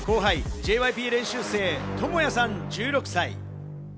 ＪＹＰ練習生・トモヤさん１６歳。